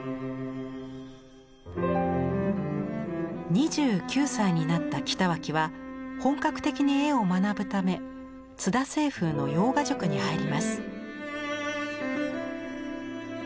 ２９歳になった北脇は本格的に絵を学ぶため津田青楓の洋画塾に入ります。